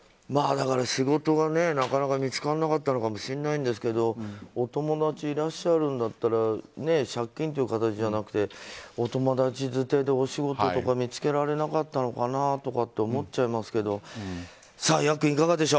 仕事がなかなか見つからなかったのかもしれませんけどお友達いらっしゃるんだったら借金という形じゃなくてお友達づてで、お仕事とか見つけられなかったのかなとか思っちゃいますけど。